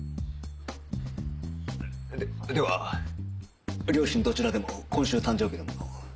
ででは両親どちらでも今週誕生日の者。